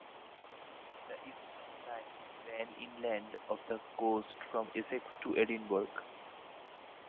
The Eastern Line ran inland of the coast from Essex to Edinburgh.